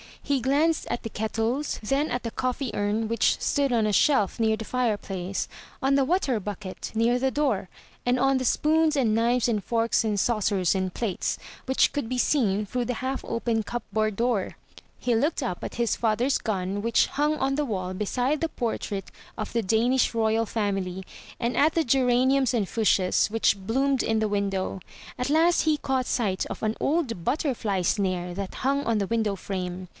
He glanced at the kettles, then at the coffee urn, which stood on a shelf, near the fireplace; on the water bucket, near the door; and on the spoons and knives and forks and saucers and plates, which could be seen through the half open cupboard door. He looked up at his father's gun, which hung on the wall beside the portrait of the Danish royal family, and at the geraniums and fuchsias, which blossomed in the window. And last, he caught sight of an old butterfly snare that hung on the window frame.